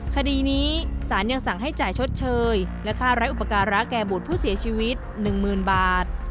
คดีนี้สารยังสั่งให้จ่ายชดเชยและค่าไร้อุปการะแก่บุตรผู้เสียชีวิต๑๐๐๐บาท